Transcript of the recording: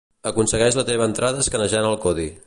Aconsegueix la teva entrada escanejant el codi